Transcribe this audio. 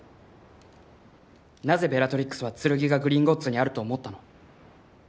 なぜベラトリックスは剣がグリンゴッツにあると思ったの？